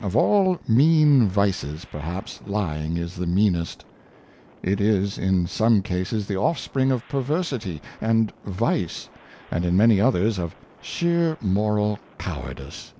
Of all mean vices, perhaps lying is the meanest. It is in some cases the offspring of perversity and vice, and in many others of sheer moral cowardice.